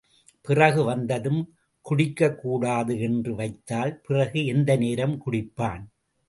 பிறகு, வந்ததும் குடிக்கக் கூடாது என்று வைத்தால், பிறகு எந்த நேரம் குடிப்பான்?